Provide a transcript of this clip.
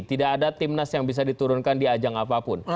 tidak ada timnas yang bisa diturunkan di ajang apapun